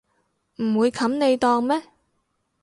唔會冚你檔咩